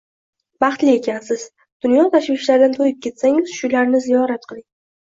Baxtli ekansiz! Dunyo tashvishlaridan to’yib ketsangiz shularni ziyorat qiling.